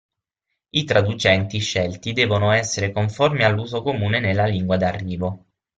I traducenti scelti devono essere conformi all'uso comune nella lingua d'arrivo.